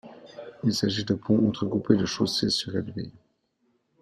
Il s’agit de ponts entrecoupés de chaussées surélevées.